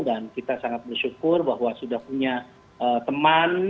kita sangat bersyukur bahwa sudah punya teman